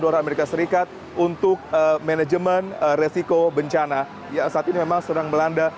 dolar amerika serikat untuk manajemen resiko bencana yang saat ini memang sedang melanda